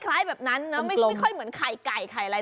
แบบนั้นนะไม่ค่อยเหมือนไข่ไก่ไข่อะไร